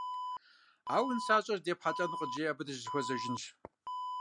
Ауэ нысащӏэр здепхьэлӀэнур къыджеӀи, абы дыщызэхуэзэжынщ.